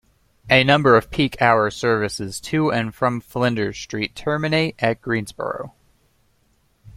A number of peak hour services to and from Flinders Street terminate at Greensborough.